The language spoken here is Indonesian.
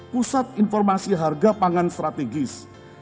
pusat informasi harga pangan strategis